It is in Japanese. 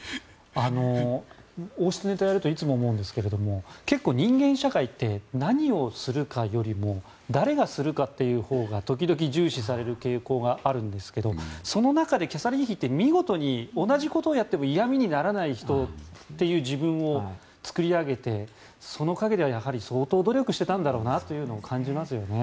王室ネタを見ているといつも思うんですけれども結構、人間社会って何をするかよりも誰がするかというほうが時々重視される傾向があるんですけどその中でキャサリン妃は見事に同じことをやっても嫌味にならない人という自分を作り上げて、その陰では相当、努力してたんだなというのを感じますよね。